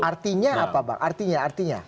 artinya apa bang artinya artinya